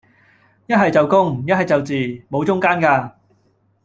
一係就公,一係就字,無中間架